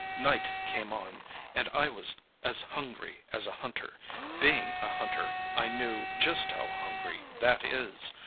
"Night came on, and I was as hungry as a hunter—being a hunter, I knew just how hungry that is.